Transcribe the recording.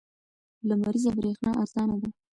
لمریزه برېښنا ارزانه ده.